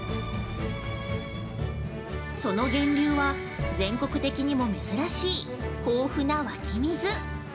その源流は全国的にも珍しい豊富な湧き水！